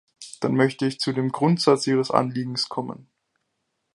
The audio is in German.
Dann möchte ich zu dem Grundsatz ihres Anliegens kommen.